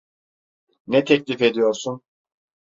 Ne teklif ediyorsun?